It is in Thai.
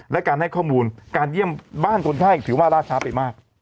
และการให้ข้อมูลการเยี่ยมบ้านคนไข้ถือว่าล่าช้าไปมาก